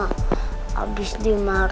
aku ambil ini om pak